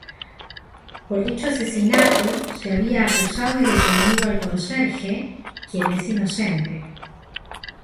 Por dicho asesinato se había acusado y detenido al conserje, quien es inocente.